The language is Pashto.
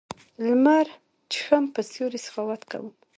لمر چېښم په سیوري سخاوت کوم